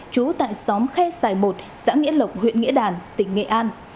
trú tại xóm khe sài một xã nghĩa lộc huyện nghĩa đàn tỉnh nghệ an